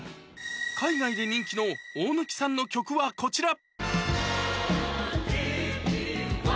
海外で人気の大貫さんの曲はこちら